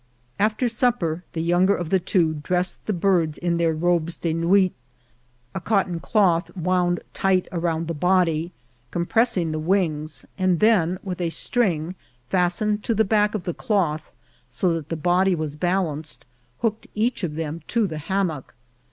After supper the younger of the two dressed the birds in their robes de nuit, a cotton cloth wound tight around the body, compressing the wings, and then, with a string fastened to the back of the cloth, so that the body was balanced, A NIGHT'S LODGING. 21 hooked each of them to the hammock.